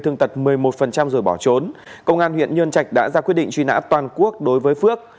thương tật một mươi một rồi bỏ trốn công an huyện nhân trạch đã ra quyết định truy nã toàn quốc đối với phước